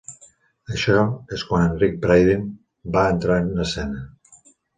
Això és quan Eric Braeden va entrar en escena.